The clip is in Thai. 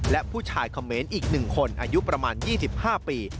และผู้ชายเขมรอีก๑คนอายุประมาณ๒๕ปี